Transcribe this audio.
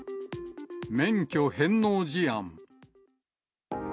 免許返納事案。